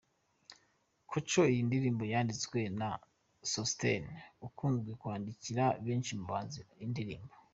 co ko iyi ndirimbo yanditswe na Sosthene ukunze kwandikira benshi mu bahanzi indirimbo.